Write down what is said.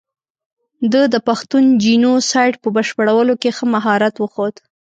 ده د پښتون جینو سایډ په بشپړولو کې ښه مهارت وښود.